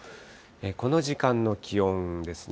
この時間の気温ですね。